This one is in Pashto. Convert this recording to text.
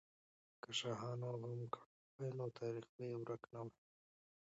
که شاهانو غم کړی وای، نو تاریخ به یې ورک نه وای.